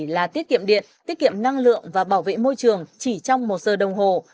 là tiết kiệm điện tiết kiệm năng lượng và bảo vệ môi trường chỉ trong một giờ đồng hồ